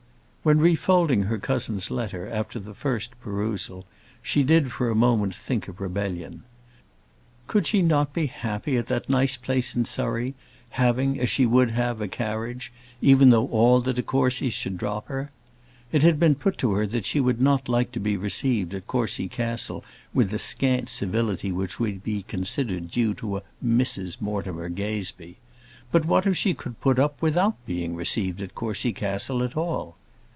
When refolding her cousin's letter, after the first perusal, she did for a moment think of rebellion. Could she not be happy at the nice place in Surrey, having, as she would have, a carriage, even though all the de Courcys should drop her? It had been put to her that she would not like to be received at Courcy Castle with the scant civility which would be considered due to a Mrs Mortimer Gazebee; but what if she could put up without being received at Courcy Castle at all?